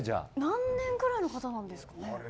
何年ぐらいの方なんですかね。